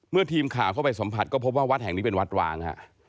ทีมข่าวเข้าไปสัมผัสก็พบว่าวัดแห่งนี้เป็นวัดร้างฮะ